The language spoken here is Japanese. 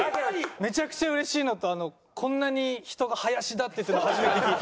めちゃくちゃうれしいのとこんなに人が「林田」って言ってるの初めて聞いて。